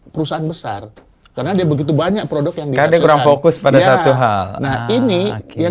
perusahaan besar karena dia begitu banyak produk yang dikurang fokus pada satu hal nah ini yang